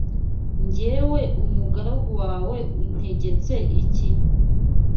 jyewe umugaragu wawe untegetse iki?